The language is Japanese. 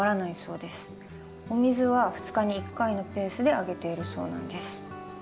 お水は２日に１回のペースであげているそうなんです。